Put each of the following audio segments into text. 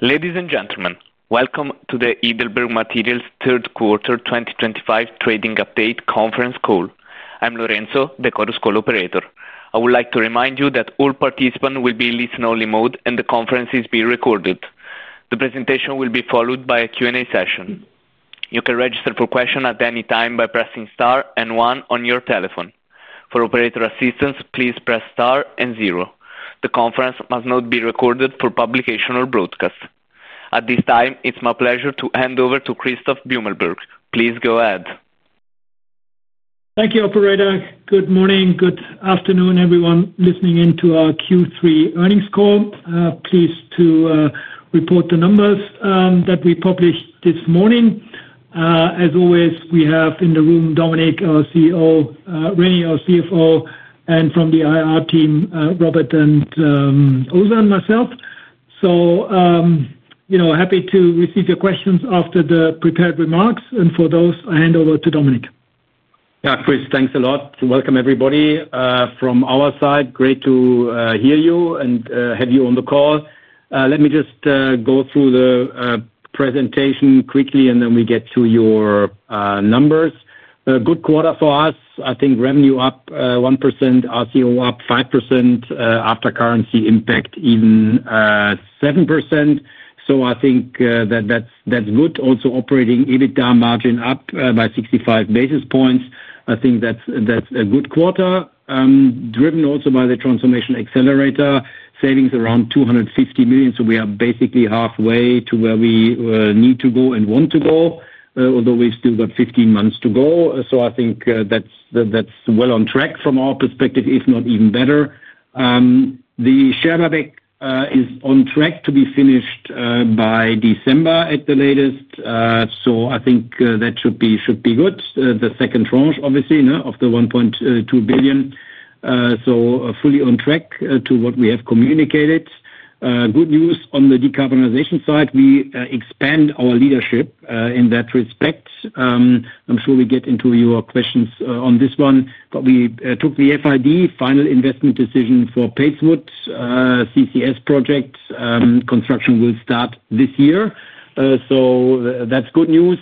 Ladies and gentlemen, welcome to the Heidelberg Materials third quarter 2025 trading update conference call. I'm Lorenzo, the COTUS call operator. I would like to remind you that all participants will be in listen-only mode and the conference is being recorded. The presentation will be followed by a Q&A session. You can register for questions at any time by pressing star and one on your telephone. For operator assistance, please press star and zero. The conference must not be recorded for publication or broadcast. At this time, it's my pleasure to hand over to Christoph Beumelburg. Please go ahead. Thank you, Operator. Good morning. Good afternoon, everyone listening in to our Q3 earnings call. Pleased to report the numbers that we published this morning. As always, we have in the room Dominik, our CEO, René, our CFO, and from the IR team, Robert and Ozan, myself. Happy to receive your questions after the prepared remarks. For those, I hand over to Dominik. Yeah, Chris, thanks a lot. Welcome, everybody. From our side, great to hear you and have you on the call. Let me just go through the presentation quickly and then we get to your numbers. Good quarter for us. I think revenue up 1%, RCO up 5% after currency impact even 7%. I think that that's good. Also, operating EBITDA margin up by 65 basis points. I think that's a good quarter. Driven also by the transformation accelerator, savings around $250 million. We are basically halfway to where we need to go and want to go, although we've still got 15 months to go. I think that's well on track from our perspective, if not even better. The share back is on track to be finished by December at the latest. I think that should be good. The second tranche, obviously, of the $1.2 billion. Fully on track to what we have communicated. Good news on the decarbonization side. We expand our leadership in that respect. I'm sure we get into your questions on this one, but we took the FID final investment decision for Porthos. CCS project construction will start this year. That is good news.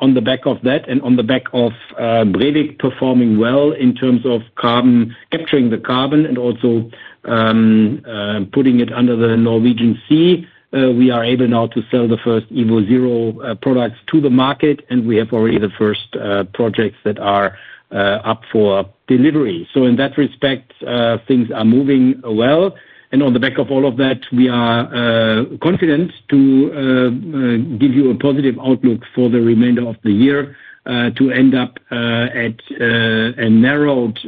On the back of that, and on the back of Breivik performing well in terms of capturing the carbon and also putting it under the Norwegian sea, we are able now to sell the first evoZero products to the market, and we have already the first projects that are up for delivery. In that respect, things are moving well. On the back of all of that, we are confident to give you a positive outlook for the remainder of the year to end up at a narrowed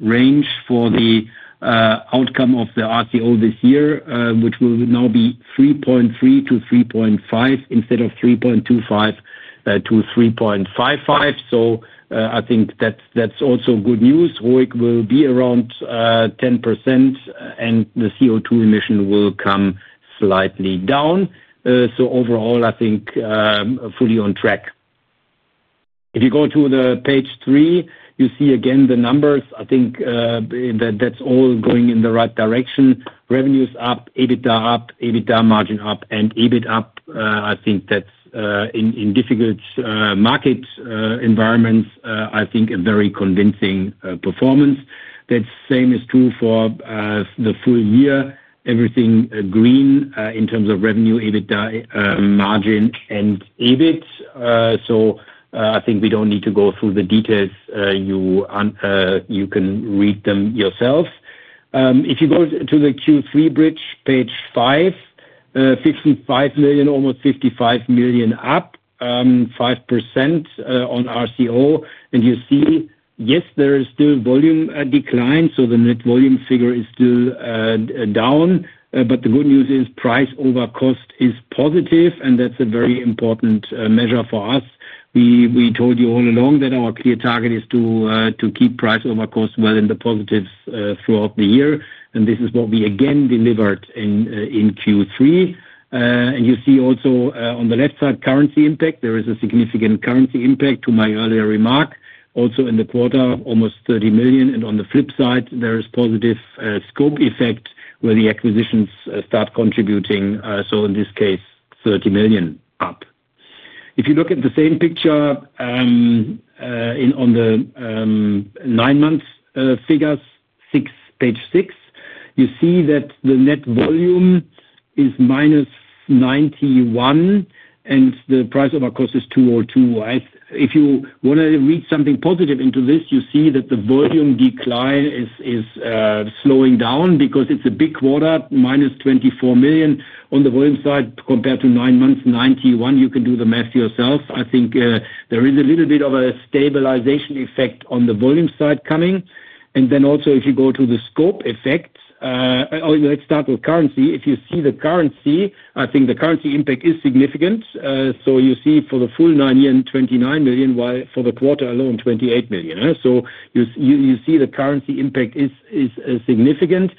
range for the. Outcome of the ROIC this year, which will now be 3.3-3.5 instead of 3.25-3.55. I think that's also good news. ROIC will be around 10%, and the CO2 emission will come slightly down. Overall, I think fully on track. If you go to page three, you see again the numbers. I think that's all going in the right direction. Revenues up, EBITDA up, EBITDA margin up, and EBIT up. I think in difficult market environments, a very convincing performance. That same is true for the full year. Everything green in terms of revenue, EBITDA margin, and EBIT. I think we do not need to go through the details. You can read them yourself. If you go to the Q3 bridge, page five, $55 million, almost $55 million up. 5% on ROIC. You see, yes, there is still volume decline. The net volume figure is still down. The good news is price over cost is positive, and that's a very important measure for us. We told you all along that our clear target is to keep price over cost well in the positives throughout the year. This is what we again delivered in Q3. You see also on the left side currency impact. There is a significant currency impact to my earlier remark. Also in the quarter, almost $30 million. On the flip side, there is positive scope effect where the acquisitions start contributing. In this case, $30 million up. If you look at the same picture on the nine months figures, page six, you see that the net volume is -91, and the price over cost is 202. If you want to read something positive into this, you see that the volume decline is slowing down because it is a big quarter, -24 million on the volume side compared to nine months, 91. You can do the math yourself. I think there is a little bit of a stabilization effect on the volume side coming. If you go to the scope effect, let's start with currency. If you see the currency, I think the currency impact is significant. You see for the full nine year, 29 million, while for the quarter alone, 28 million. You see the currency impact is significant.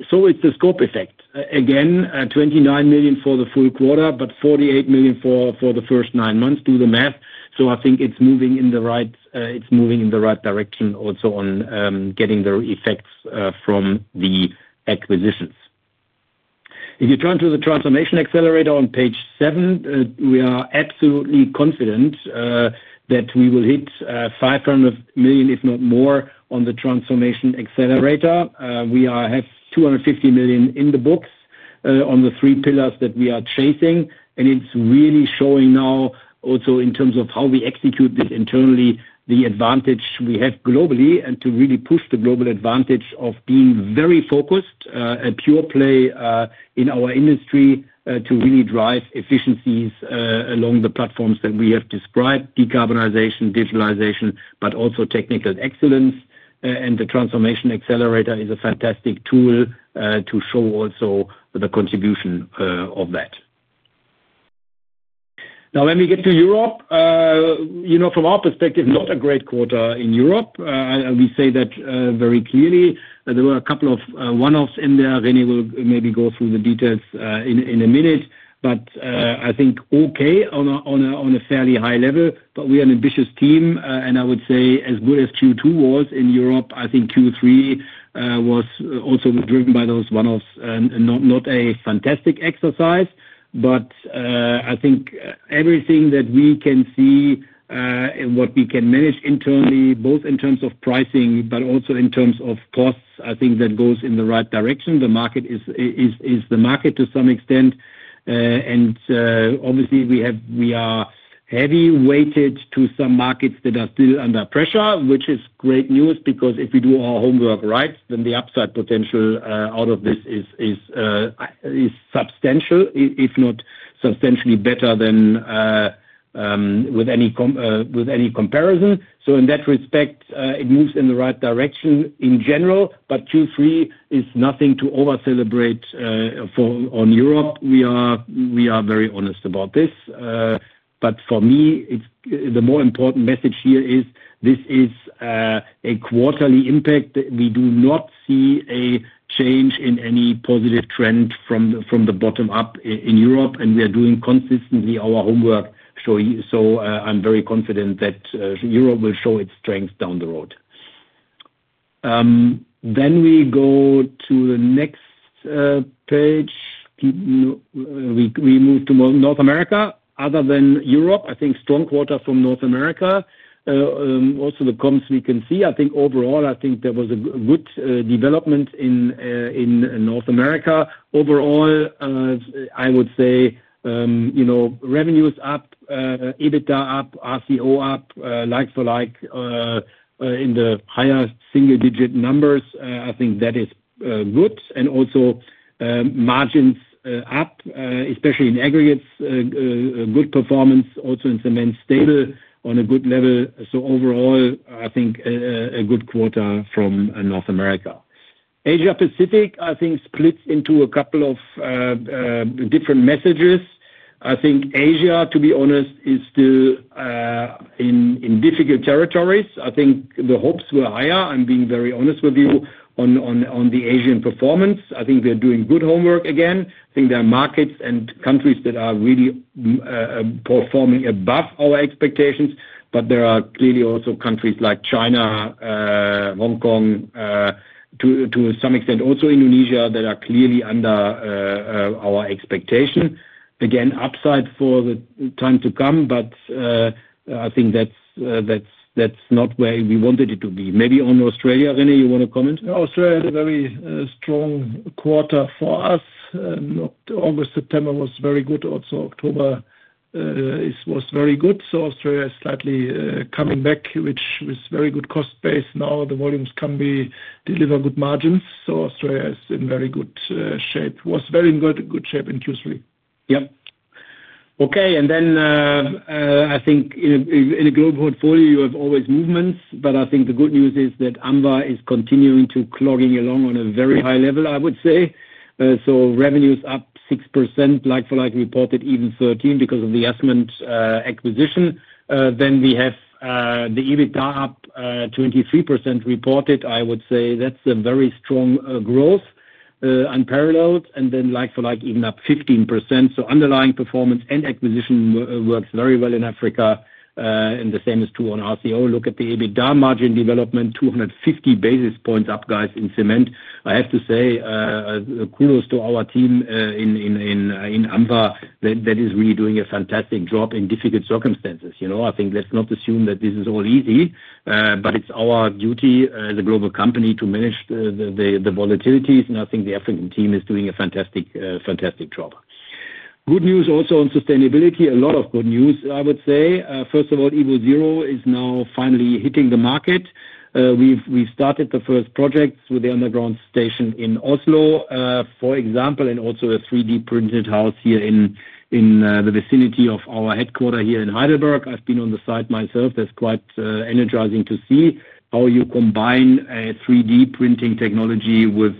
It is the scope effect. Again, 29 million for the full quarter, but 48 million for the first nine months. Do the math. I think it is moving in the right. It's moving in the right direction also on getting the effects from the acquisitions. If you turn to the transformation accelerator on page seven, we are absolutely confident that we will hit $500 million, if not more, on the transformation accelerator. We have $250 million in the books on the three pillars that we are chasing. It's really showing now also in terms of how we execute this internally, the advantage we have globally and to really push the global advantage of being very focused, a pure play in our industry to really drive efficiencies along the platforms that we have described: decarbonization, digitalization, but also technical excellence. The transformation accelerator is a fantastic tool to show also the contribution of that. Now, when we get to Europe. From our perspective, not a great quarter in Europe. We say that very clearly. There were a couple of one-offs in there. René will maybe go through the details in a minute, but I think okay on a fairly high level. We are an ambitious team. I would say as good as Q2 was in Europe, I think Q3 was also driven by those one-offs. Not a fantastic exercise, but I think everything that we can see. What we can manage internally, both in terms of pricing, but also in terms of costs, I think that goes in the right direction. The market is the market to some extent. Obviously, we are heavy weighted to some markets that are still under pressure, which is great news because if we do our homework right, then the upside potential out of this is substantial, if not substantially better than with any comparison. In that respect, it moves in the right direction in general. Q3 is nothing to overcelebrate. On Europe, we are very honest about this. For me, the more important message here is this is a quarterly impact. We do not see a change in any positive trend from the bottom up in Europe. We are doing consistently our homework. I am very confident that Europe will show its strength down the road. We go to the next page. We move to North America. Other than Europe, I think strong quarter from North America. Also the comms we can see. I think overall, there was a good development in North America. Overall, I would say revenues up, EBITDA up, RCO up, like for like, in the higher single-digit numbers. I think that is good. Also, margins up, especially in aggregates. Good performance. Also in cement, stable on a good level. Overall, I think a good quarter from North America. Asia-Pacific, I think, splits into a couple of different messages. I think Asia, to be honest, is still in difficult territories. I think the hopes were higher. I'm being very honest with you on the Asian performance. I think they're doing good homework again. I think there are markets and countries that are really performing above our expectations. There are clearly also countries like China, Hong Kong, to some extent also Indonesia, that are clearly under our expectation. Again, upside for the time to come. I think that's not where we wanted it to be. Maybe on Australia, René, you want to comment? Australia had a very strong quarter for us. August, September was very good. Also, October was very good. So Australia is slightly coming back, which was very good cost base. Now the volumes can be deliver good margins. So Australia is in very good shape. Was very good shape in Q3. Yep. Okay. I think in a global portfolio, you have always movements. I think the good news is that AMBA is continuing to clogging along on a very high level, I would say. Revenues up 6% like for like, reported even 13% because of the Yasmin acquisition. Then we have the EBITDA up 23% reported. I would say that is a very strong growth. Unparalleled. Like for like, even up 15%. Underlying performance and acquisition works very well in Africa. The same is true on RCO. Look at the EBITDA margin development, 250 basis points up, guys, in cement. I have to say, kudos to our team in AMBA that is really doing a fantastic job in difficult circumstances. I think let's not assume that this is all easy, but it is our duty as a global company to manage the volatilities. I think the African team is doing a fantastic job. Good news also on sustainability. A lot of good news, I would say. First of all, evoZero is now finally hitting the market. We've started the first projects with the underground station in Oslo, for example, and also a 3D printed house here in the vicinity of our headquarter here in Heidelberg. I've been on the site myself. That's quite energizing to see how you combine a 3D printing technology with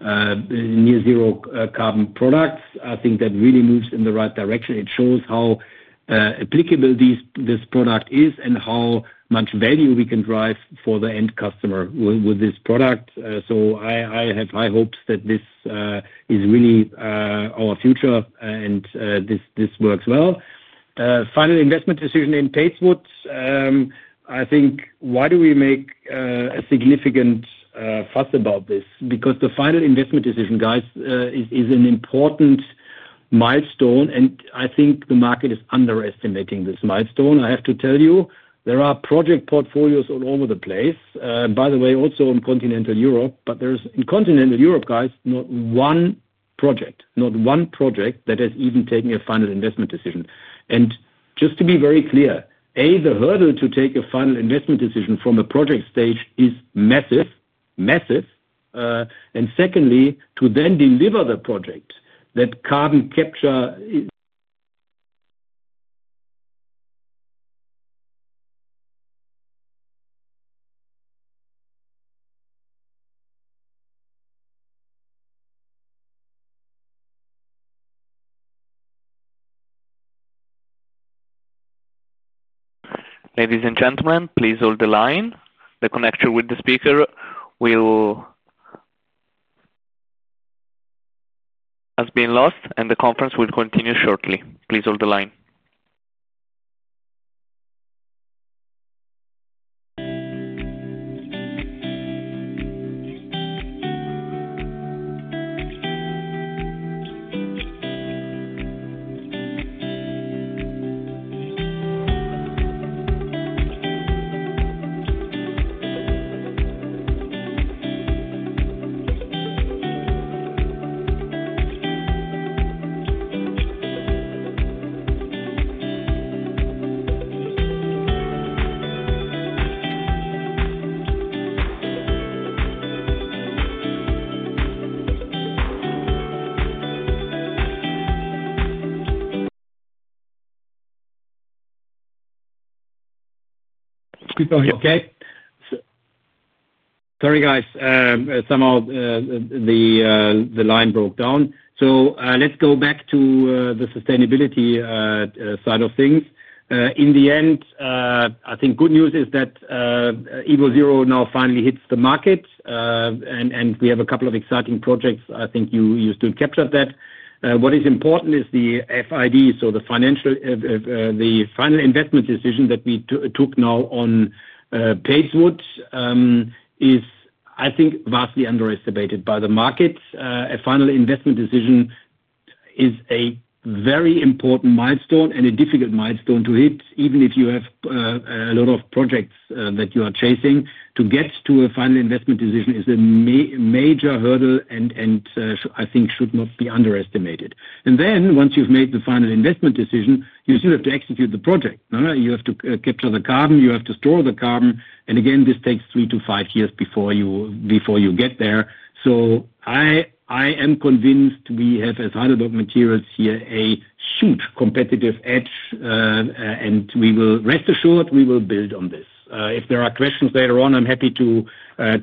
near zero carbon products. I think that really moves in the right direction. It shows how applicable this product is and how much value we can drive for the end customer with this product. I have high hopes that this is really our future and this works well. Final investment decision in Padeswood. I think, why do we make a significant fuss about this? Because the final investment decision, guys, is an important milestone. I think the market is underestimating this milestone, I have to tell you. There are project portfolios all over the place. By the way, also in continental Europe, but there is, in continental Europe, guys, not one project, not one project that has even taken a final investment decision. To be very clear, A, the hurdle to take a final investment decision from a project stage is massive, massive. Secondly, to then deliver the project, that carbon capture. Ladies and gentlemen, please hold the line. The connection with the speaker has been lost, and the conference will continue shortly. Please hold the line. Okay. Sorry, guys. Somehow the line broke down. Let's go back to the sustainability side of things. In the end, I think good news is that evoZero now finally hits the market. We have a couple of exciting projects. I think you still captured that. What is important is the FID, so the final investment decision that we took now on Porthos. I think it is vastly underestimated by the market. A final investment decision is a very important milestone and a difficult milestone to hit. Even if you have a lot of projects that you are chasing, to get to a final investment decision is a major hurdle and I think should not be underestimated. Once you have made the final investment decision, you still have to execute the project. You have to capture the carbon, you have to store the carbon. This takes three to five years before you get there. I am convinced we have, as Heidelberg Materials here, a huge competitive edge. We will rest assured we will build on this. If there are questions later on, I'm happy to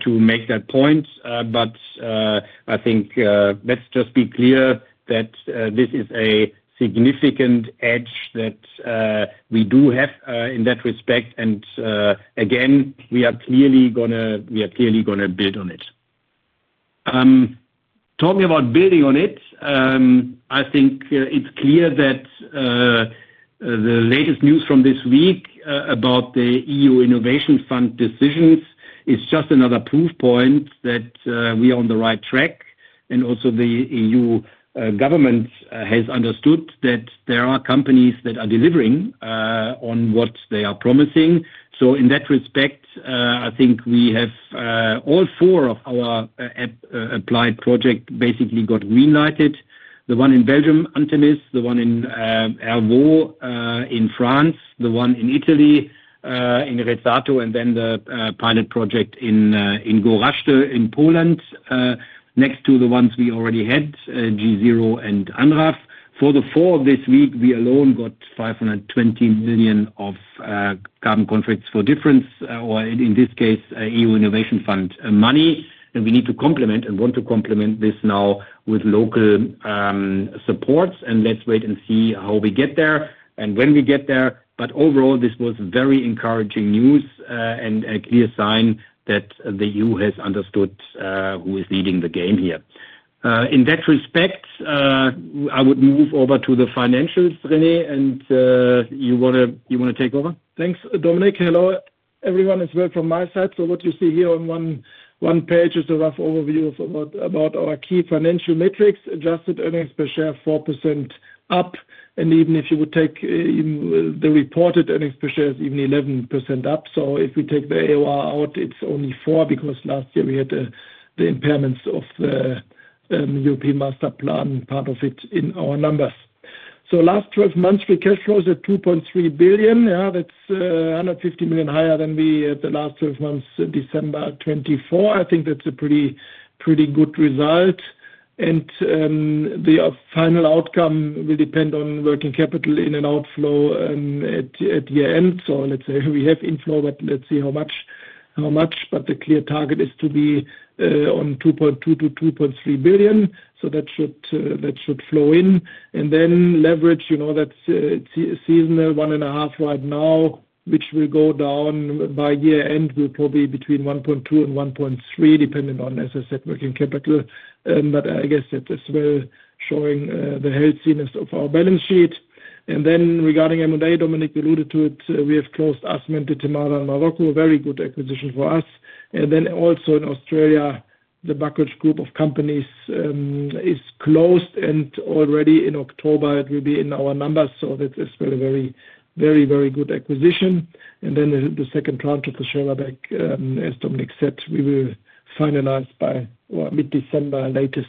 make that point. I think let's just be clear that this is a significant edge that we do have in that respect. We are clearly going to build on it. Talking about building on it, I think it's clear that the latest news from this week about the EU Innovation Fund decisions is just another proof point that we are on the right track. Also, the EU government has understood that there are companies that are delivering on what they are promising. In that respect, I think we have all four of our applied projects basically got greenlighted. The one in Belgium, Antimis, the one in Ervo in France, the one in Italy, in Rezato, and then the pilot project in Goraszcz in Poland. Next to the ones we already had, GeZero and ANRAV. For the four of this week, we alone got 520 million of carbon contracts for difference, or in this case, EU Innovation Fund money. We need to complement and want to complement this now with local supports. Let's wait and see how we get there and when we get there. Overall, this was very encouraging news and a clear sign that the EU has understood who is leading the game here. In that respect, I would move over to the financials, René, and you want to take over. Thanks, Dominik. Hello, everyone as well from my side. What you see here on one page is a rough overview of about our key financial metrics. Adjusted earnings per share, 4% up. Even if you would take the reported earnings per share, it is even 11% up. If we take the AOR out, it is only 4% because last year we had the impairments of the European Master Plan, part of it in our numbers. Last 12 months, free cash flow is at $2.3 billion. That is $150 million higher than we had the last 12 months, December 2024. I think that is a pretty good result. The final outcome will depend on working capital in and outflow at year end. Let us say we have inflow, but let us see how much. The clear target is to be on $2.2 billion-$2.3 billion. That should flow in. Leverage, that's seasonal, one and a half right now, which will go down by year end, will probably be between 1.2 and 1.3, depending on, as I said, working capital. I guess that is well showing the healthiness of our balance sheet. Regarding M&A, Dominik alluded to it, we have closed Asment Témara in Morocco. Very good acquisition for us. Also in Australia, the Buckeridge Group of companies is closed, and already in October, it will be in our numbers. That is a very, very good acquisition. The second round of the share back, as Dominik said, we will finalize by mid-December, latest.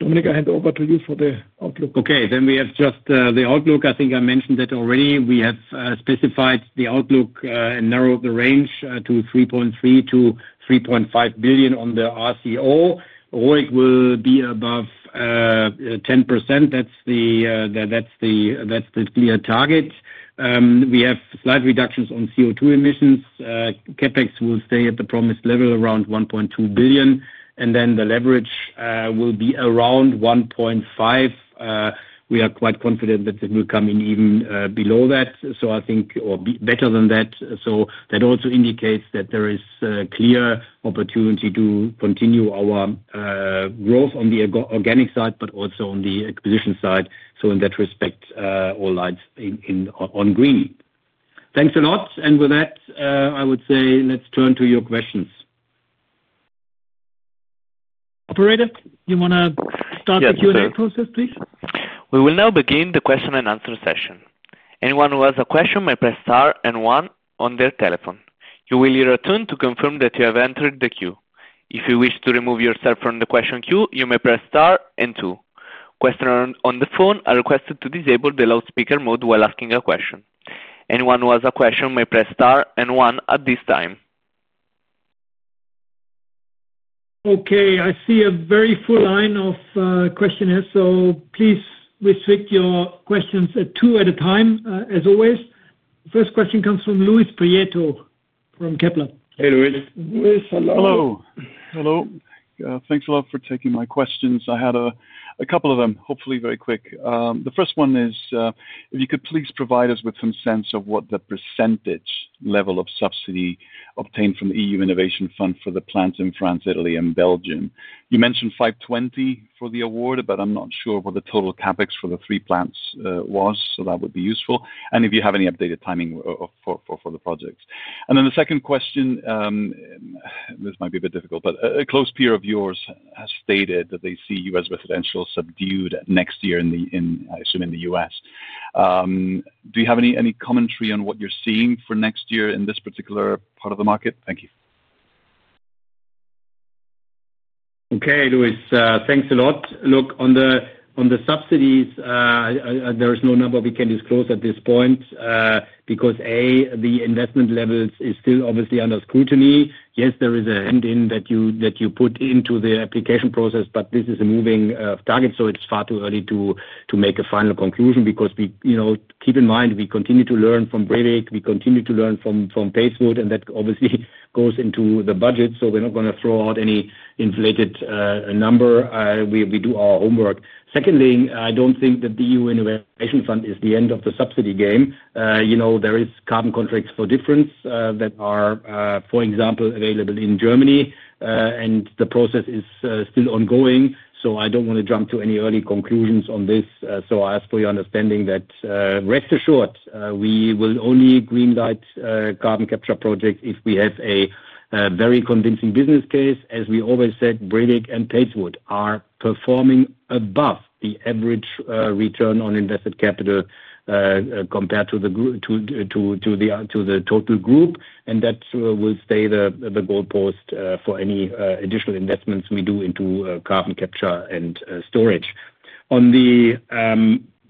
Dominik, I hand over to you for the outlook. Okay. Then we have just the outlook. I think I mentioned that already. We have specified the outlook and narrowed the range to $3.3 billion-$3.5 billion on the RCO. ROIC will be above 10%. That is the clear target. We have slight reductions on CO2 emissions. CapEx will stay at the promised level, around $1.2 billion. The leverage will be around 1.5. We are quite confident that it will come in even below that, or better than that. That also indicates that there is clear opportunity to continue our growth on the organic side, but also on the acquisition side. In that respect, all lights on green. Thanks a lot. With that, I would say, let's turn to your questions. Operator, do you want to start the Q&A process, please? We will now begin the question-and-answer session. Anyone who has a question may press star and one on their telephone. You will hear a tone to confirm that you have entered the queue. If you wish to remove yourself from the question queue, you may press star and two. Questioner on the phone is requested to disable the loudspeaker mode while asking a question. Anyone who has a question may press star and one at this time. Okay. I see a very full line of questionnaires. Please restrict your questions to two at a time, as always. First question comes from Luis Prieto from Kepler. Hey, Luis. Luis, hello. Hello. Thanks a lot for taking my questions. I had a couple of them, hopefully very quick. The first one is, if you could please provide us with some sense of what the percentage level of subsidy obtained from the EU Innovation Fund for the plants in France, Italy, and Belgium. You mentioned $520 million for the award, but I'm not sure what the total CapEx for the three plants was. That would be useful. If you have any updated timing for the projects. The second question. This might be a bit difficult, but a close peer of yours has stated that they see U.S. residential subdued next year in the, I assume, in the U.S. Do you have any commentary on what you're seeing for next year in this particular part of the market? Thank you. Okay, Luis, thanks a lot. Look, on the subsidies. There is no number we can disclose at this point. Because, A, the investment levels are still obviously under scrutiny. Yes, there is a hand in that you put into the application process, but this is a moving target. It is far too early to make a final conclusion because, keep in mind, we continue to learn from Breivik. We continue to learn from Porsgrunn, and that obviously goes into the budget. We are not going to throw out any inflated number. We do our homework. Secondly, I do not think that the EU Innovation Fund is the end of the subsidy game. There are carbon contracts for difference that are, for example, available in Germany, and the process is still ongoing. I do not want to jump to any early conclusions on this. I ask for your understanding. Rest assured, we will only greenlight carbon capture projects if we have a very convincing business case. As we always said, Breivik and Padeswood are performing above the average return on invested capital compared to the total group. That will stay the gold post for any additional investments we do into carbon capture and storage. On the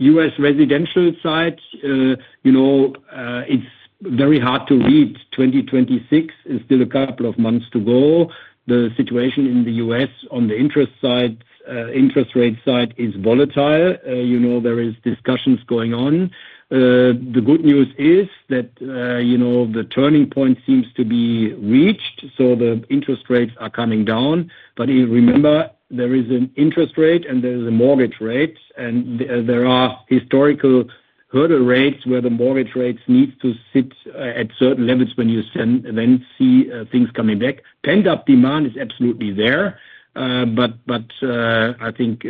U.S. residential side, it's very hard to read. 2026 is still a couple of months to go. The situation in the U.S. on the interest rate side is volatile. There are discussions going on. The good news is that the turning point seems to be reached. The interest rates are coming down. Remember, there is an interest rate and there is a mortgage rate. There are historical hurdle rates where the mortgage rates need to sit at certain levels when you then see things coming back. Pent-up demand is absolutely there. I think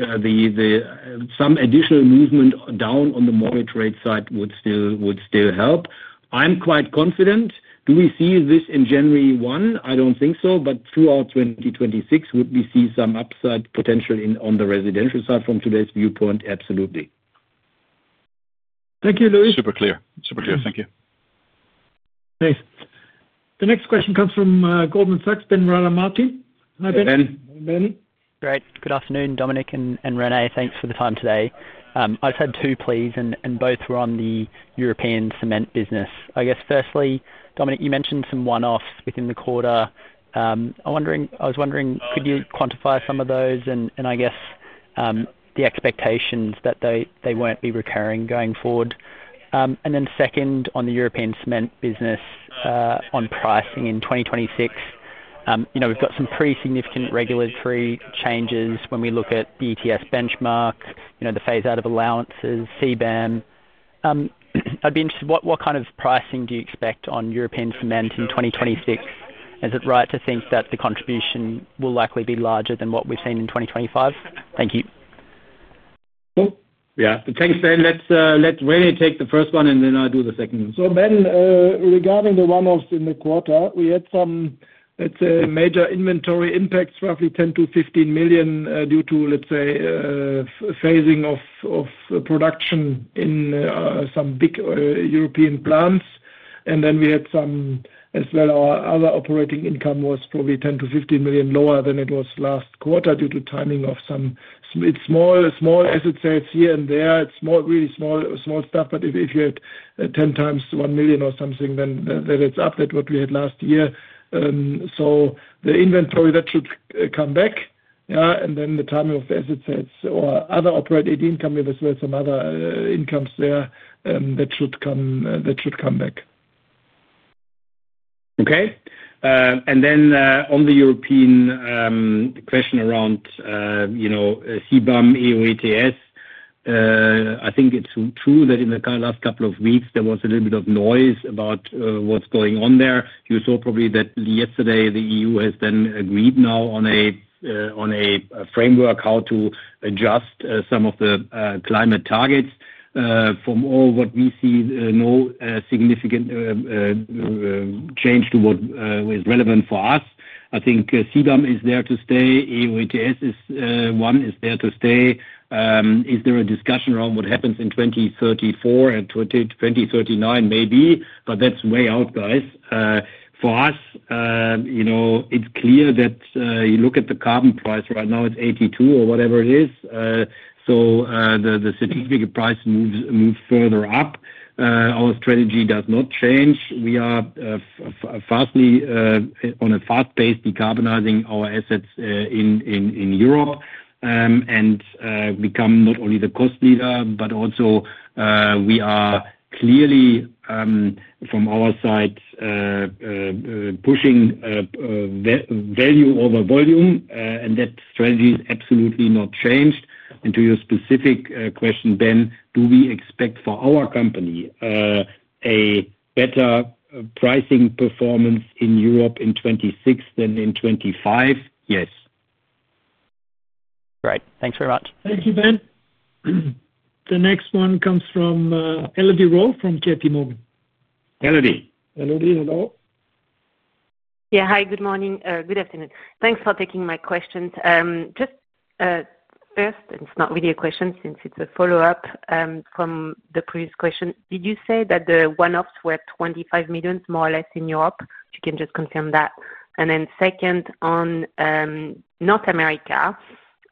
some additional movement down on the mortgage rate side would still help. I'm quite confident. Do we see this in January 1? I don't think so. Throughout 2026, would we see some upside potential on the residential side from today's viewpoint? Absolutely. Thank you, Luis. Super clear. Super clear. Thank you. Thanks. The next question comes from Goldman Sachs, Ben Rada Martin. Hi, Ben. Hey, Ben. Great. Good afternoon, Dominik and René. Thanks for the time today. I've had two pleas, and both were on the European cement business. I guess, firstly, Dominik, you mentioned some one-offs within the quarter. I was wondering, could you quantify some of those? I guess the expectations that they won't be recurring going forward? Then second, on the European cement business. On pricing in 2026. We've got some pretty significant regulatory changes when we look at the ETS benchmark, the phase-out of allowances, CBAM. I'd be interested, what kind of pricing do you expect on European cement in 2026? Is it right to think that the contribution will likely be larger than what we've seen in 2025? Thank you. Yeah. Thanks, Ben. Let René take the first one, and then I'll do the second one. Ben, regarding the one-offs in the quarter, we had some, let's say, major inventory impacts, roughly $10 million-$15 million due to, let's say, phasing of production in some big European plants. We had some, as well, our other operating income was probably $10 million-$15 million lower than it was last quarter due to timing of some small asset sales here and there. It's really small stuff. If you had 10x $1 million or something, then that adds up to what we had last year. The inventory, that should come back. The timing of the asset sales or other operating income, there's some other incomes there that should come back. Okay. And then on the European question around CBAM, EO, ETS. I think it's true that in the last couple of weeks, there was a little bit of noise about what's going on there. You saw probably that yesterday, the EU has then agreed now on a framework how to adjust some of the climate targets. From all what we see, no significant change to what is relevant for us. I think CBAM is there to stay. EO, ETS, one is there to stay. Is there a discussion around what happens in 2034 and 2039, maybe? But that's way out, guys. For us, it's clear that you look at the carbon price right now, it's 82 or whatever it is. So the significant price moves further up. Our strategy does not change. We are on a fast pace decarbonizing our assets in Europe. We become not only the cost leader, but also we are clearly, from our side, pushing value over volume. That strategy is absolutely not changed. To your specific question, Ben, do we expect for our company a better pricing performance in Europe in 2026 than in 2025? Yes. Great. Thanks very much. Thank you, Ben. The next one comes from Elodie Rall from JPMorgan. Elodie. Elodie, hello. Yeah, hi, good morning. Good afternoon. Thanks for taking my questions. First, it's not really a question since it's a follow-up from the previous question. Did you say that the one-offs were $25 million, more or less, in Europe? If you can just confirm that. Second, on North America.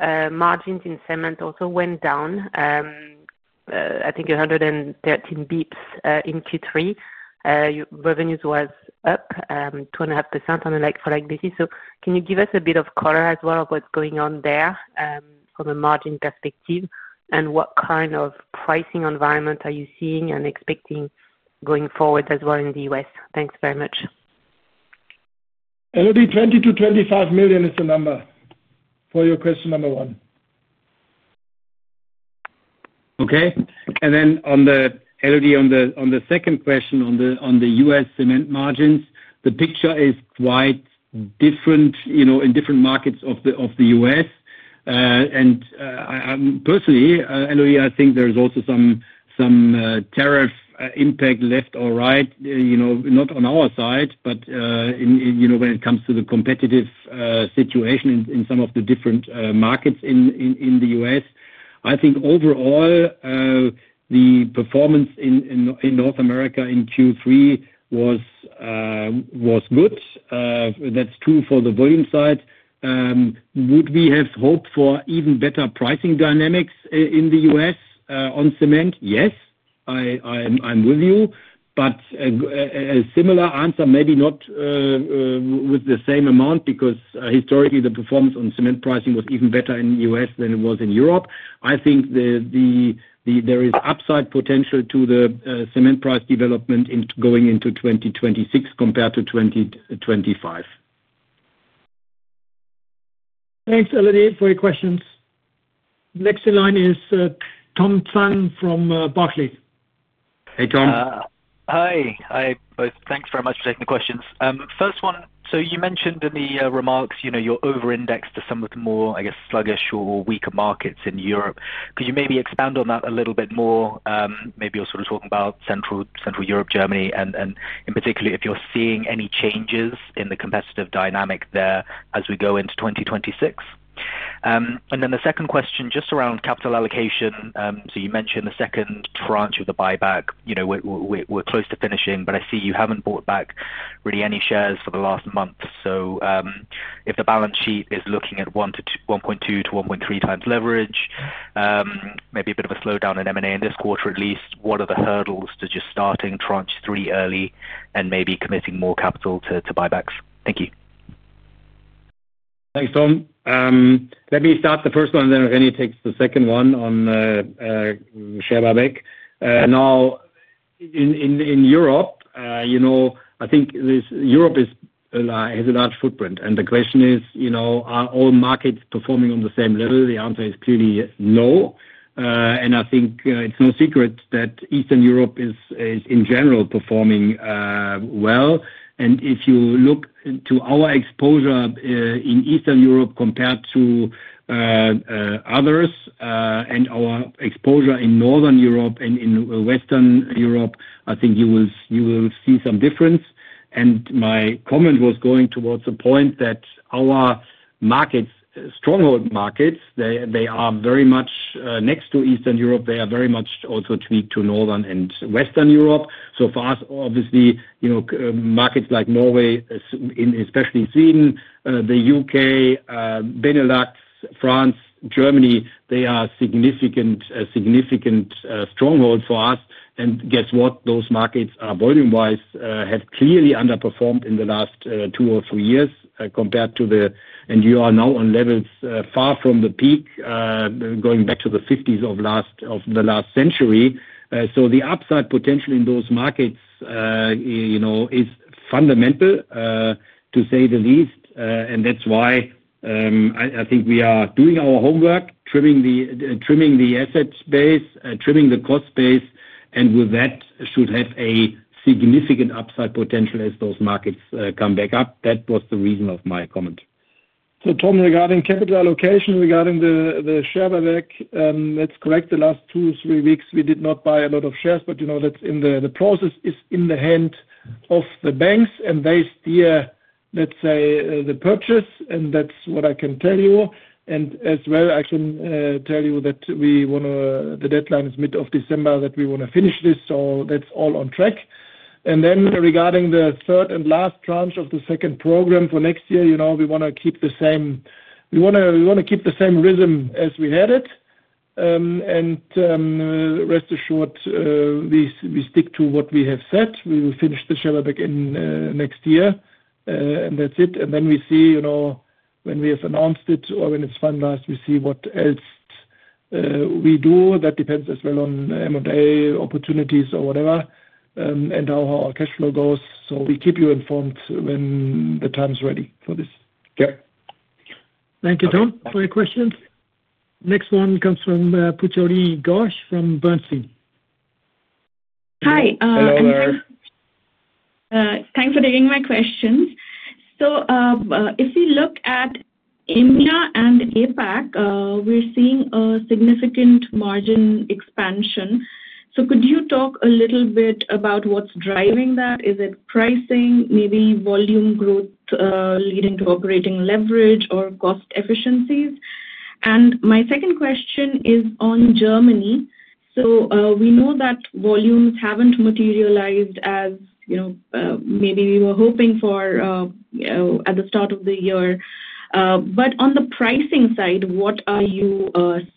Margins in cement also went down. I think 113 basis points in Q3. Revenues were up 2.5% on a like for like basis. Can you give us a bit of color as well of what's going on there from a margin perspective? What kind of pricing environment are you seeing and expecting going forward as well in the U.S.? Thanks very much. Elodie, 20 million-25 million is the number for your question number one. Okay. Elodie, on the second question, on the U.S. cement margins, the picture is quite different in different markets of the U.S. Personally, Elodie, I think there's also some tariff impact left or right, not on our side, but when it comes to the competitive situation in some of the different markets in the U.S. I think overall the performance in North America in Q3 was good. That's true for the volume side. Would we have hoped for even better pricing dynamics in the U.S. on cement? Yes. I'm with you. A similar answer, maybe not with the same amount, because historically, the performance on cement pricing was even better in the U.S. than it was in Europe. I think there is upside potential to the cement price development going into 2026 compared to 2025. Thanks, Elodie, for your questions. Next in line is Tom Zhang from Barclays. Hey, Tom. Hi. Thanks very much for taking the questions. First one, you mentioned in the remarks you're over-indexed to some of the more, I guess, sluggish or weaker markets in Europe. Could you maybe expand on that a little bit more? Maybe you're sort of talking about Central Europe, Germany, and in particular, if you're seeing any changes in the competitive dynamic there as we go into 2026? The second question, just around capital allocation. You mentioned the second tranche of the buyback. We're close to finishing, but I see you haven't bought back really any shares for the last month. If the balance sheet is looking at 1.2x-1.3x leverage, maybe a bit of a slowdown in M&A in this quarter at least, what are the hurdles to just starting tranche three early and maybe committing more capital to buybacks? Thank you. Thanks, Tom. Let me start the first one, and then if any takes the second one on. Share buyback. Now. In Europe. I think Europe has a large footprint. The question is, are all markets performing on the same level? The answer is clearly no. I think it's no secret that Eastern Europe is, in general, performing well. If you look to our exposure in Eastern Europe compared to others and our exposure in Northern Europe and in Western Europe, I think you will see some difference. My comment was going towards the point that our stronghold markets, they are very much next to Eastern Europe. They are very much also tweaked to Northern and Western Europe. For us, obviously, markets like Norway, especially Sweden, the U.K., Benelux, France, Germany, they are significant strongholds for us. Guess what? Those markets, volume-wise, have clearly underperformed in the last two or three years compared to the. You are now on levels far from the peak, going back to the 1950s of the last century. The upside potential in those markets is fundamental, to say the least. That is why I think we are doing our homework, trimming the asset space, trimming the cost space, and with that, should have a significant upside potential as those markets come back up. That was the reason of my comment. Tom, regarding capital allocation, regarding the share buyback, let's correct the last two, three weeks, we did not buy a lot of shares, but that's in the process, is in the hand of the banks, and they steer, let's say, the purchase. That's what I can tell you. I can tell you that the deadline is mid-December, that we want to finish this. That's all on track. Regarding the third and last tranche of the second program for next year, we want to keep the same. We want to keep the same rhythm as we had it. Rest assured. We stick to what we have said. We will finish the share buyback next year. That's it. We see. When we have announced it or when it's finalized, we see what else we do. That depends as well on M&A opportunities or whatever and how our cash flow goes. We keep you informed when the time is ready for this. Yep. Thank you, Tom, for your questions. Next one comes from Pujarini Ghosh from Bernstein. Hi. Thanks for taking my questions. If we look at EMEA and APAC, we're seeing a significant margin expansion. Could you talk a little bit about what's driving that? Is it pricing, maybe volume growth leading to operating leverage or cost efficiencies? My second question is on Germany. We know that volumes haven't materialized as maybe we were hoping for at the start of the year. On the pricing side, what are you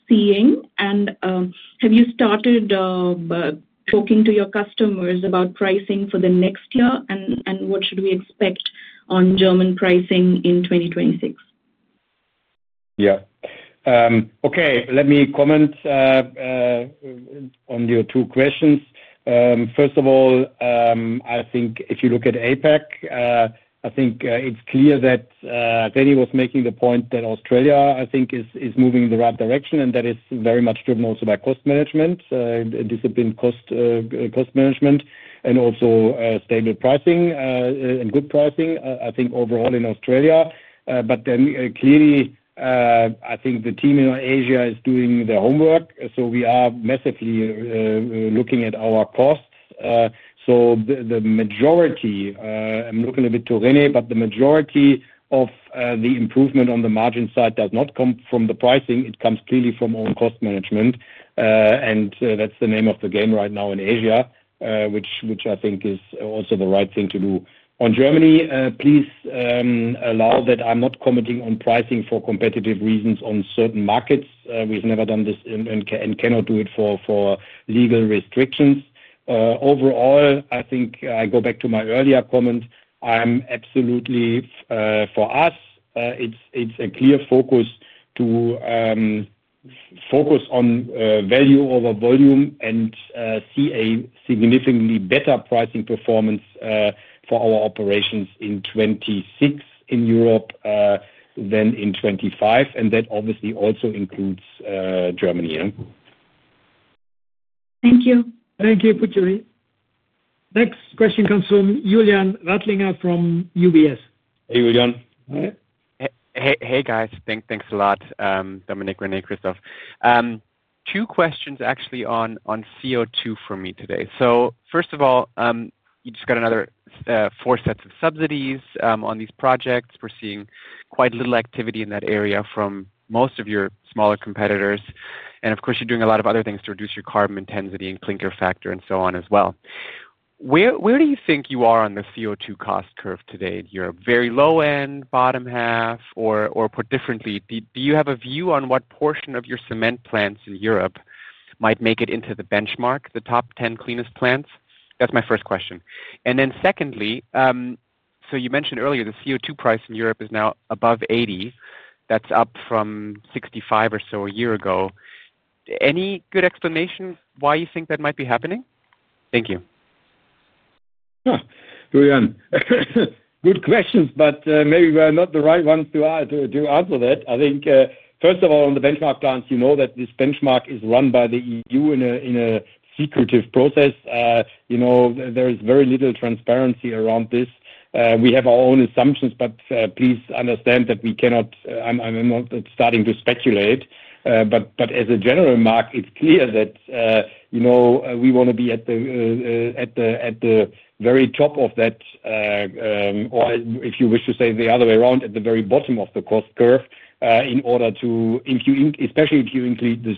seeing? Have you started talking to your customers about pricing for the next year? What should we expect on German pricing in 2026? Yeah. Okay. Let me comment on your two questions. First of all, I think if you look at APAC, I think it's clear that René was making the point that Australia, I think, is moving in the right direction, and that is very much driven also by cost management, disciplined cost management, and also stable pricing and good pricing, I think, overall in Australia. Clearly, I think the team in Asia is doing their homework. We are massively looking at our costs. The majority, I'm looking a bit to René, but the majority of the improvement on the margin side does not come from the pricing. It comes clearly from our cost management. That's the name of the game right now in Asia, which I think is also the right thing to do. On Germany, please. Allow that I'm not commenting on pricing for competitive reasons on certain markets. We've never done this and cannot do it for legal restrictions. Overall, I think I go back to my earlier comment. I'm absolutely, for us, it's a clear focus to focus on value over volume and see a significantly better pricing performance for our operations in 2026 in Europe than in 2025. That obviously also includes Germany. Thank you. Thank you,. Next question comes from Julian Radlinger from UBS. Hey, Julian. Hey, guys. Thanks a lot, Dominik, René, Christoph. Two questions actually on CO2 for me today. First of all, you just got another four sets of subsidies on these projects. We're seeing quite little activity in that area from most of your smaller competitors. Of course, you're doing a lot of other things to reduce your carbon intensity and clinker factor and so on as well. Where do you think you are on the CO2 cost curve today in Europe? Very low end, bottom half, or put differently, do you have a view on what portion of your cement plants in Europe might make it into the benchmark, the top 10 cleanest plants? That's my first question. Secondly, you mentioned earlier the CO2 price in Europe is now above 80. That's up from 65 or so a year ago. Any good explanation why you think that might be happening? Thank you. Sure. Julian. Good questions, but maybe we are not the right ones to answer that. I think, first of all, on the benchmark plans, you know that this benchmark is run by the EU in a secretive process. There is very little transparency around this. We have our own assumptions, but please understand that we cannot—I am not starting to speculate. As a general mark, it is clear that we want to be at the very top of that. Or if you wish to say the other way around, at the very bottom of the cost curve in order to—especially if you include the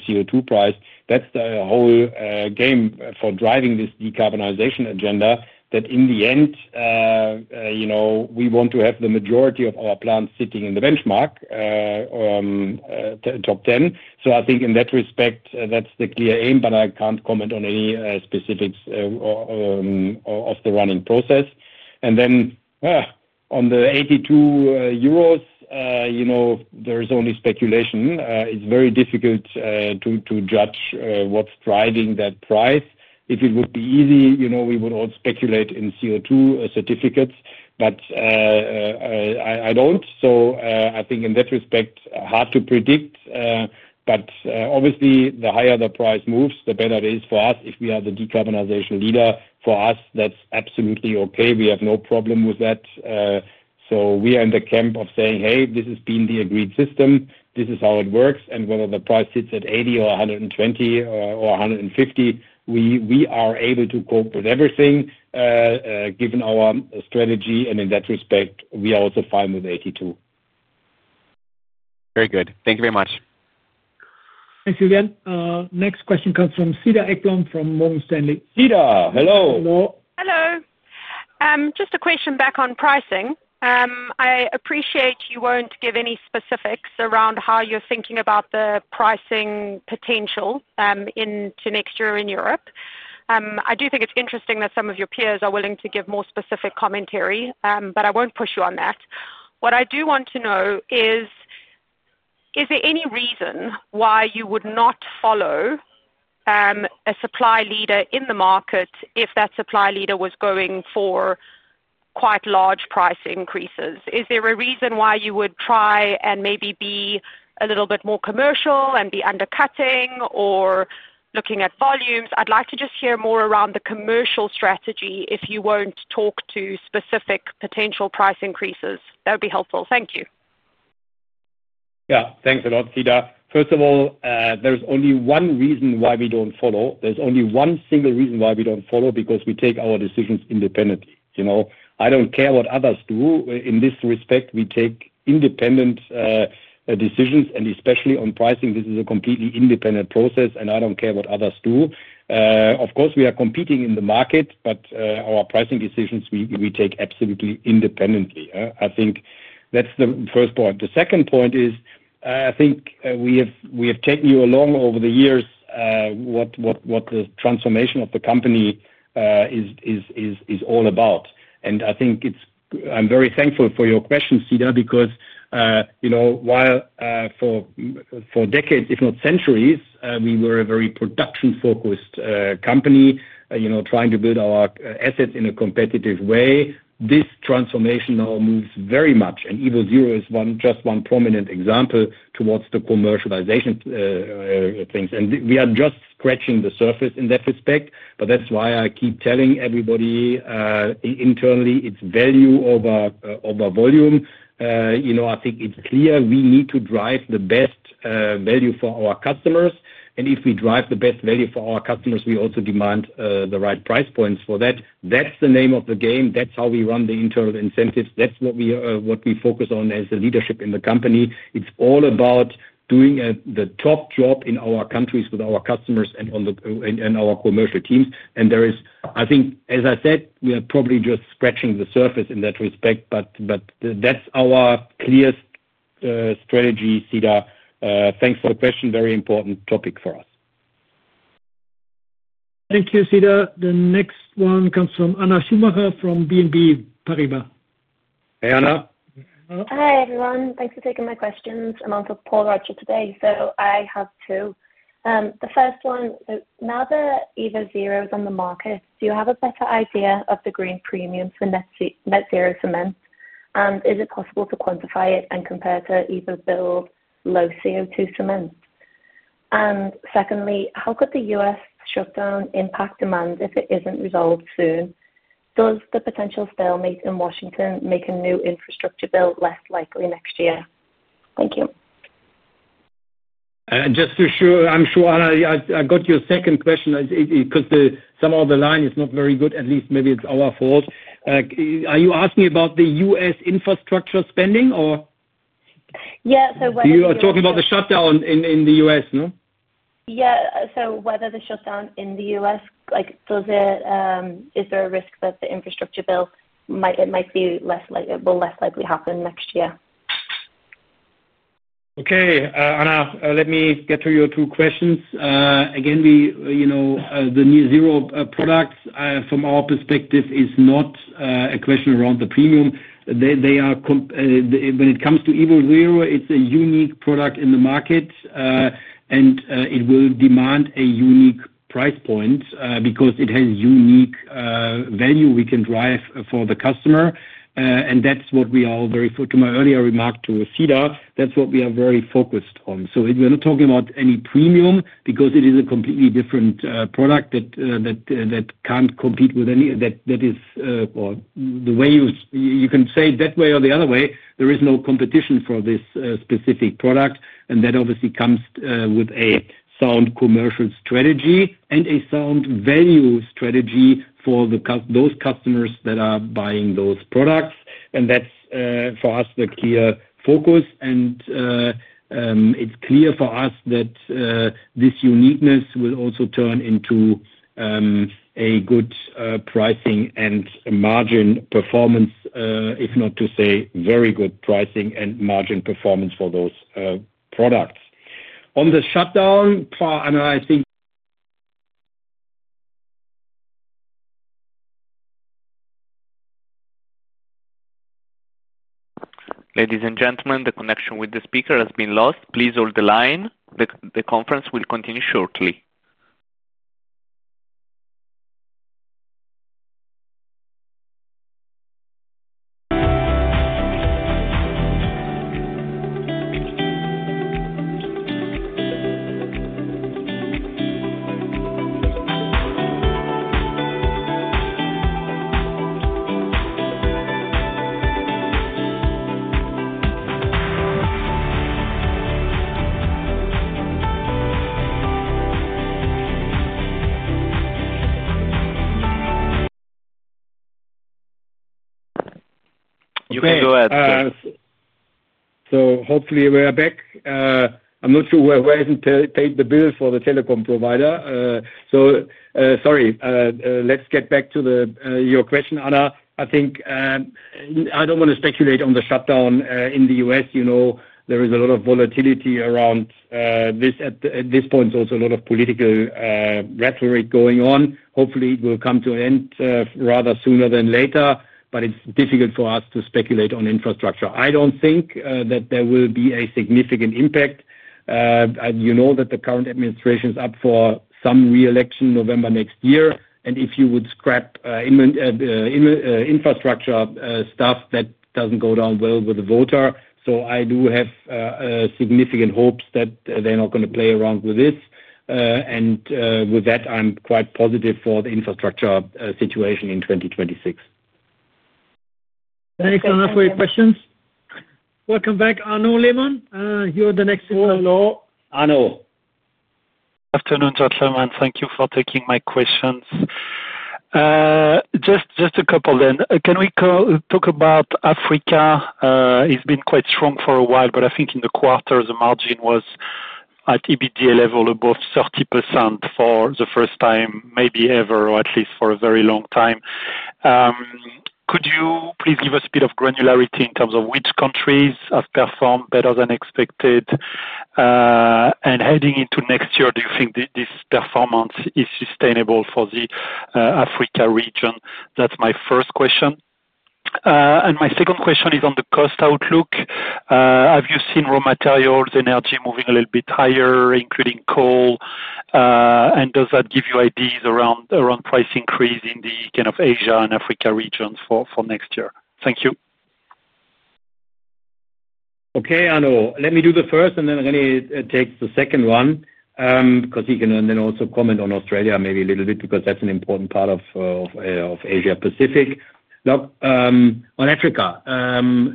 CO2 price. That is the whole game for driving this decarbonization agenda that in the end we want to have the majority of our plants sitting in the benchmark top 10. I think in that respect, that is the clear aim, but I cannot comment on any specifics. Of the running process. On the 82 euros, there is only speculation. It's very difficult to judge what's driving that price. If it would be easy, we would all speculate in CO2 certificates, but I don't. I think in that respect, hard to predict. Obviously, the higher the price moves, the better it is for us. If we are the decarbonization leader, for us, that's absolutely okay. We have no problem with that. We are in the camp of saying, "Hey, this has been the agreed system. This is how it works." Whether the price sits at 80 or 120 or 150, we are able to cope with everything, given our strategy. In that respect, we are also fine with 82. Very good. Thank you very much. Thanks, Julian. Next question comes from Cedar Ekblom from Morgan Stanley. Cedar, hello. Hello. Hello. Just a question back on pricing. I appreciate you won't give any specifics around how you're thinking about the pricing potential next year in Europe. I do think it's interesting that some of your peers are willing to give more specific commentary, but I won't push you on that. What I do want to know is, is there any reason why you would not follow a supply leader in the market if that supply leader was going for quite large price increases? Is there a reason why you would try and maybe be a little bit more commercial and be undercutting or looking at volumes? I'd like to just hear more around the commercial strategy if you won't talk to specific potential price increases. That would be helpful. Thank you. Yeah. Thanks a lot, Cedar. First of all, there's only one reason why we don't follow. There's only one single reason why we don't follow, because we take our decisions independently. I don't care what others do. In this respect, we take independent decisions. Especially on pricing, this is a completely independent process, and I don't care what others do. Of course, we are competing in the market, but our pricing decisions, we take absolutely independently. I think that's the first point. The second point is, I think we have taken you along over the years. What the transformation of the company is all about. I think I'm very thankful for your question, Cedar, because while for decades, if not centuries, we were a very production-focused company, trying to build our assets in a competitive way, this transformation now moves very much. EvoZero is just one prominent example towards the commercialization. We are just scratching the surface in that respect. That is why I keep telling everybody internally, it is value over volume. I think it is clear we need to drive the best value for our customers. If we drive the best value for our customers, we also demand the right price points for that. That is the name of the game. That is how we run the internal incentives. That is what we focus on as the leadership in the company. It is all about doing the top job in our countries with our customers and our commercial teams. I think, as I said, we are probably just scratching the surface in that respect. That is our clearest strategy, Cedar. Thanks for the question. Very important topic for us. Thank you, Cedar. The next one comes from Anna Schumacher from BNP Paribas. Hey, Anna. Hi everyone. Thanks for taking my questions. I'm on to Paul Radlinger today, so I have two. The first one, now that evoZero is on the market, do you have a better idea of the green premium for net zero cement? Is it possible to quantify it and compare to evoBuild low CO2 cement? Secondly, how could the U.S. shutdown impact demand if it isn't resolved soon? Does the potential stalemate in Washington make a new infrastructure bill less likely next year? Thank you. Just to assure, I'm sure, Anna, I got your second question because some of the line is not very good. At least maybe it's our fault. Are you asking about the US infrastructure spending or? Yeah. So whether. You are talking about the shutdown in the U.S., no? Yeah. So whether the shutdown in the U.S., is there a risk that the infrastructure bill might be less likely to happen next year? Okay. Anna, let me get to your two questions again. The net zero product, from our perspective, is not a question around the premium. When it comes to evoZero, it's a unique product in the market. It will demand a unique price point because it has unique value we can drive for the customer. That is what we are all very—to my earlier remark to Cedra, that is what we are very focused on. We're not talking about any premium because it is a completely different product. That cannot compete with any—that is. Or the way you can say it that way or the other way, there is no competition for this specific product. That obviously comes with a sound commercial strategy and a sound value strategy for those customers that are buying those products. That is, for us, the clear focus. It is clear for us that. This uniqueness will also turn into a good pricing and margin performance, if not to say very good pricing and margin performance for those products. On the shutdown, Anna, I think. Ladies and gentlemen, the connection with the speaker has been lost. Please hold the line. The conference will continue shortly. You can go ahead, Chris. Hopefully we are back. I'm not sure whether I paid the bill for the telecom provider. Sorry. Let's get back to your question, Anna. I think I don't want to speculate on the shutdown in the U.S. There is a lot of volatility around this at this point. There's also a lot of political rhetoric going on. Hopefully, it will come to an end rather sooner than later, but it's difficult for us to speculate on infrastructure. I don't think that there will be a significant impact. You know that the current administration is up for some reelection November next year. If you would scrap infrastructure stuff, that doesn't go down well with the voter. I do have significant hopes that they're not going to play around with this. With that, I'm quite positive for the infrastructure situation in 2026. Thanks, Anna, for your questions. Welcome back, Arnaud Lehmann. You're the next speaker. Hello, Arnaud. Afternoon, Arnaud Lehmann. Thank you for taking my questions. Just a couple then. Can we talk about Africa? It's been quite strong for a while, but I think in the quarters, the margin was at EBITDA level above 30% for the first time, maybe ever, or at least for a very long time. Could you please give us a bit of granularity in terms of which countries have performed better than expected? Heading into next year, do you think this performance is sustainable for the Africa region? That's my first question. My second question is on the cost outlook. Have you seen raw materials and energy moving a little bit higher, including coal? Does that give you ideas around price increase in the kind of Asia and Africa regions for next year? Thank you. Okay, Arnaud, let me do the first, and then I'm going to take the second one. Because you can then also comment on Australia maybe a little bit because that's an important part of Asia-Pacific. Look, on Africa,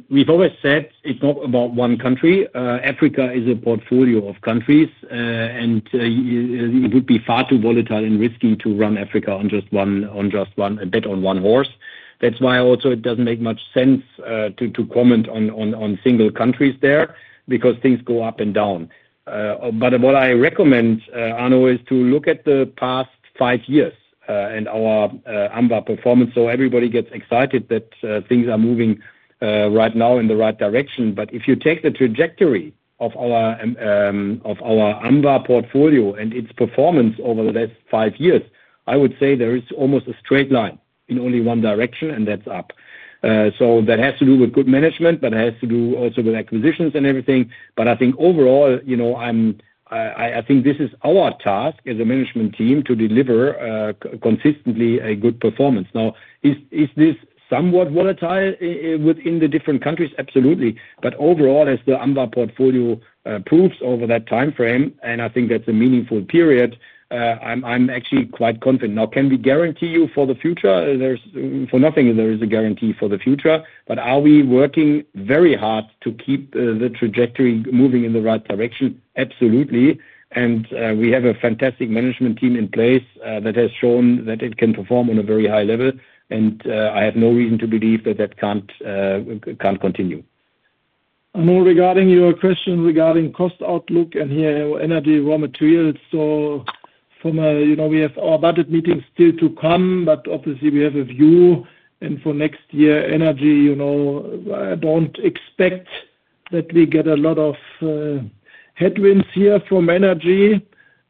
we've always said it's not about one country. Africa is a portfolio of countries, and it would be far too volatile and risky to run Africa on just one and bet on one horse. That's why also it doesn't make much sense to comment on single countries there because things go up and down. What I recommend, Arnaud, is to look at the past five years and our AMBA performance. Everybody gets excited that things are moving right now in the right direction. If you take the trajectory of our. AMBA portfolio and its performance over the last five years, I would say there is almost a straight line in only one direction, and that's up. That has to do with good management, but it has to do also with acquisitions and everything. I think overall, this is our task as a management team to deliver consistently a good performance. Now, is this somewhat volatile within the different countries? Absolutely. Overall, as the AMBA portfolio proves over that time frame, and I think that's a meaningful period, I'm actually quite confident. Now, can we guarantee you for the future? For nothing, there is a guarantee for the future. Are we working very hard to keep the trajectory moving in the right direction? Absolutely. We have a fantastic management team in place that has shown that it can perform on a very high level. I have no reason to believe that that can't continue. Regarding your question regarding cost outlook and here energy, raw materials, we have our budget meetings still to come, but obviously we have a view for next year. Energy, I do not expect that we get a lot of headwinds here from energy.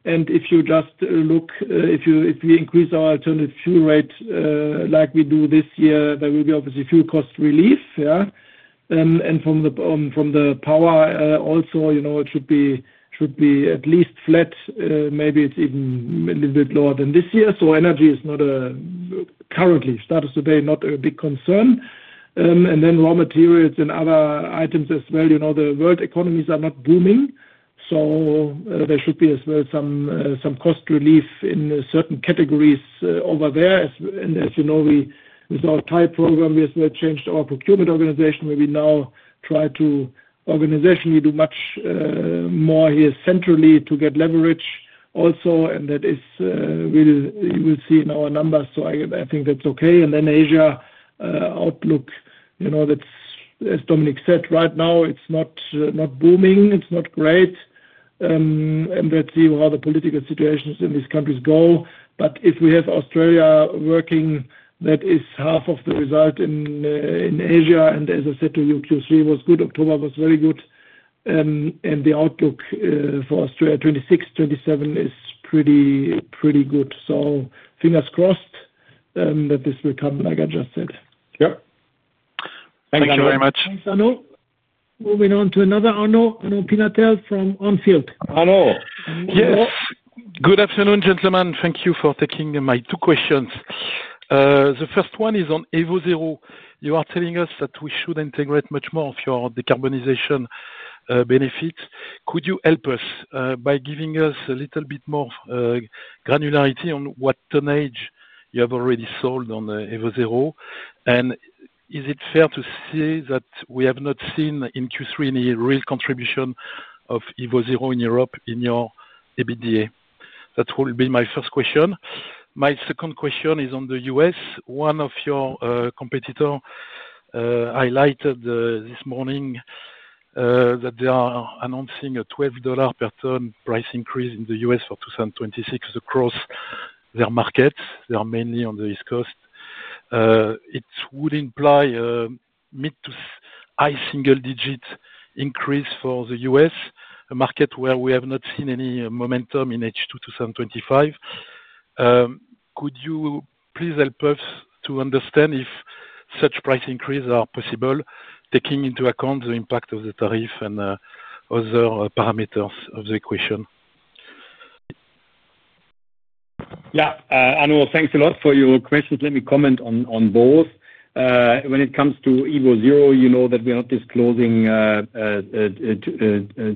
If you just look, if we increase our alternative fuel rate like we do this year, there will be obviously fuel cost relief. From the power also, it should be at least flat. Maybe it is even a little bit lower than this year. Energy is not, currently, status of the day, not a big concern. Then raw materials and other items as well. The world economies are not booming. There should be as well some cost relief in certain categories over there. As you know, with our Thai program, we have changed our procurement organization. We now try to organizationally do much more here centrally to get leverage also. That is really, you will see in our numbers. I think that's okay. Asia. Outlook, as Dominik said, right now, it's not booming. It's not great. Let's see how the political situations in these countries go. If we have Australia working, that is half of the result in Asia. As I said to you, Q3 was good. October was very good. The outlook for Australia 2026, 2027 is pretty good. Fingers crossed that this will come, like I just said. Yep. Thank you very much. Thanks, Arnaud. Moving on to another Arnaud. Arnaud Pinatel from On Field. Arnaud. Yes. Good afternoon, gentlemen. Thank you for taking my two questions. The first one is on evoZero. You are telling us that we should integrate much more of your decarbonization benefits. Could you help us by giving us a little bit more granularity on what tonnage you have already sold on evoZero? And is it fair to say that we have not seen in Q3 any real contribution of evoZero in Europe in your EBITDA? That will be my first question. My second question is on the U.S. One of your competitors highlighted this morning that they are announcing a $12 per ton price increase in the U.S. for 2026 across their markets. They are mainly on the East Coast. It would imply a mid to high single-digit increase for the U.S., a market where we have not seen any momentum in H2 2025. Could you please help us to understand if such price increases are possible, taking into account the impact of the tariff and other parameters of the equation? Yeah. Arnaud, thanks a lot for your questions. Let me comment on both. When it comes to evoZero, you know that we are not disclosing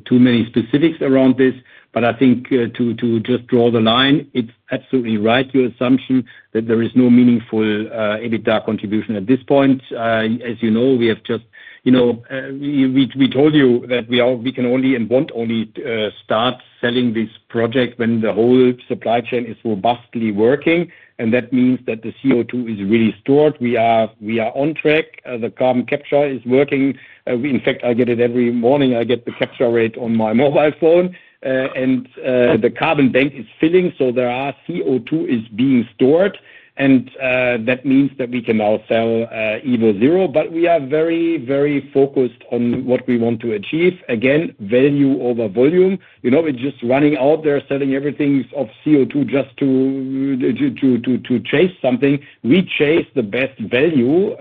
too many specifics around this. I think to just draw the line, it's absolutely right, your assumption that there is no meaningful EBITDA contribution at this point. As you know, we have just told you that we can only and want only to start selling this project when the whole supply chain is robustly working. That means that the CO2 is really stored. We are on track. The carbon capture is working. In fact, I get it every morning. I get the capture rate on my mobile phone. The carbon bank is filling. There are CO2 being stored. That means that we can now sell EvoZero. We are very, very focused on what we want to achieve. Again, value over volume. We're just running out there, selling everything of CO2 just to chase something. We chase the best value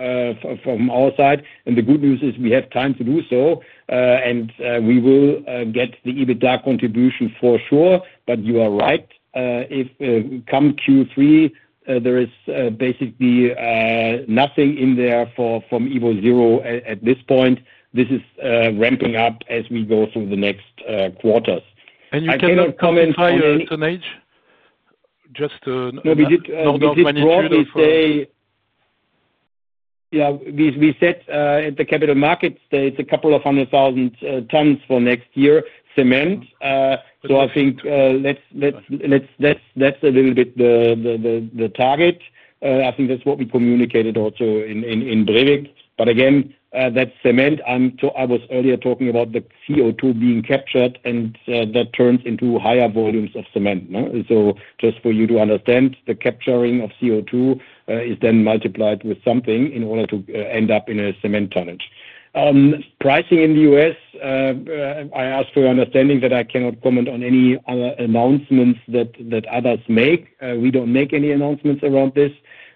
from our side. The good news is we have time to do so. We will get the EBITDA contribution for sure. You are right. Come Q3, there is basically nothing in there from evoZero at this point. This is ramping up as we go through the next quarters. You cannot comment on the tonnage? Just a normal quantity for. Yeah. We said at the capital market, there is a couple of hundred thousand tons for next year, cement. I think that is a little bit the target. I think that is what we communicated also in briefing. Again, that cement, I was earlier talking about the CO2 being captured, and that turns into higher volumes of cement. Just for you to understand, the capturing of CO2 is then multiplied with something in order to end up in a cement tonnage. Pricing in the U.S., I ask for your understanding that I cannot comment on any other announcements that others make. We do not make any announcements around this.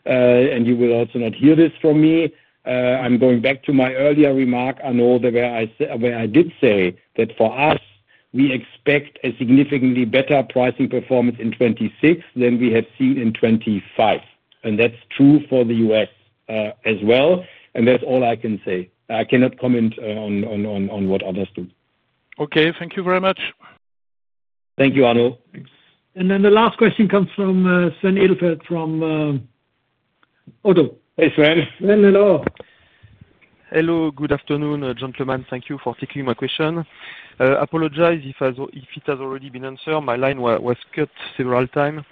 You will also not hear this from me. I am going back to my earlier remark, Arnaud, where I did say that for us, we expect a significantly better pricing performance in 2026 than we have seen in 2025. That is true for the U.S. as well. That is all I can say. I cannot comment on what others do. Okay. Thank you very much. Thank you, Arnaud. The last question comes from Sven Edelfelt from ODDO. Hey, Sven. Sven hello. Hello. Good afternoon, gentlemen. Thank you for taking my question. Apologize if it has already been answered. My line was cut several times.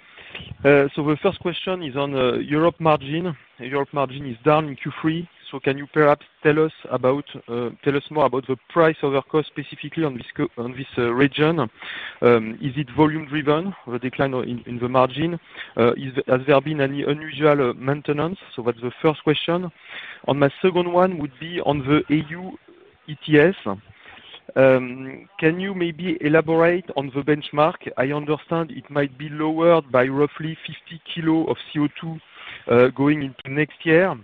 The first question is on Europe margin. Europe margin is down in Q3. Can you perhaps tell us more about the price over cost specifically on this region? Is it volume-driven, the decline in the margin? Has there been any unusual maintenance? That is the first question. My second one would be on the EU ETS. Can you maybe elaborate on the benchmark? I understand it might be lowered by roughly 50 kg of CO2 going into next year.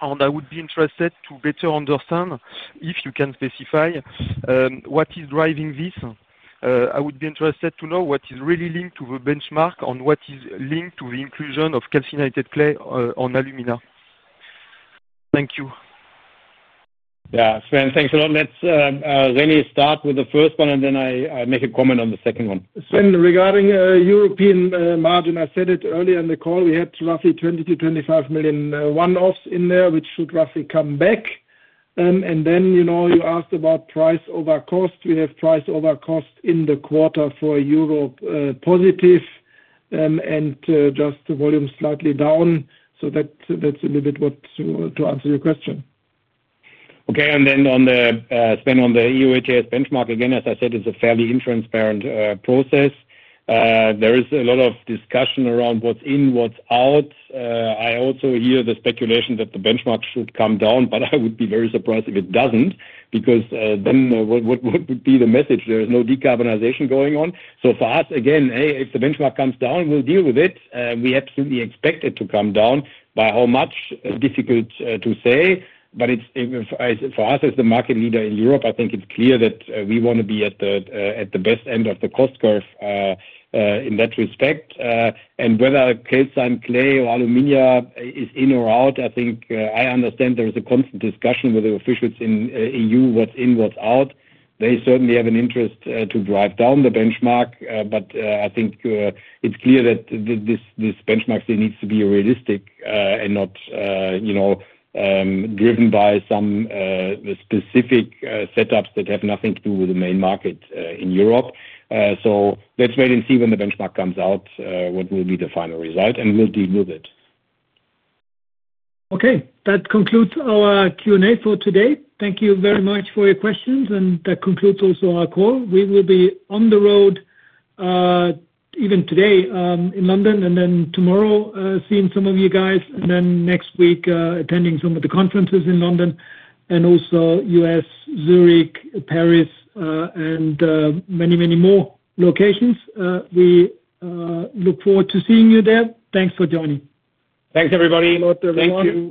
I would be interested to better understand, if you can specify, what is driving this. I would be interested to know what is really linked to the benchmark and what is linked to the inclusion of calcinated clay on alumina. Thank you. Yeah. Sven, thanks a lot. Let's really start with the first one, and then I make a comment on the second one. Sven, regarding European margin, I said it earlier in the call. We had roughly $20 million-$25 million one-offs in there, which should roughly come back. You asked about price over cost. We have price over cost in the quarter for Europe positive. Just the volume slightly down. That is a little bit what to answer your question. Okay. Then on the, Sven, on the EU ETS benchmark, again, as I said, it's a fairly intransparent process. There is a lot of discussion around what's in, what's out. I also hear the speculation that the benchmark should come down, but I would be very surprised if it doesn't because then what would be the message? There is no decarbonization going on. For us, again, if the benchmark comes down, we'll deal with it. We absolutely expect it to come down. By how much? Difficult to say. For us as the market leader in Europe, I think it's clear that we want to be at the best end of the cost curve in that respect. Whether calcine, clay, or alumina is in or out, I think I understand there is a constant discussion with the officials in the EU, what's in, what's out. They certainly have an interest to drive down the benchmark. I think it's clear that this benchmark needs to be realistic and not driven by some specific setups that have nothing to do with the main market in Europe. Let's wait and see when the benchmark comes out, what will be the final result, and we'll deal with it. Okay. That concludes our Q&A for today. Thank you very much for your questions. That concludes also our call. We will be on the road, even today in London, and then tomorrow seeing some of you guys, and then next week attending some of the conferences in London, and also U.S., Zurich, Paris, and many, many more locations. We look forward to seeing you there. Thanks for joining. Thanks, everybody. Thanks, Arnaud. Thanks a lot.